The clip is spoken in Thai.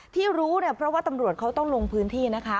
ที่รู้เนี่ยเพราะว่าตำรวจเขาต้องลงพื้นที่นะคะ